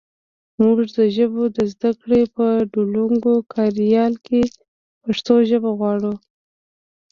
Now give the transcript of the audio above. مونږ د ژبو د زده کړې په ډولونګو کاریال کې پښتو ژبه غواړو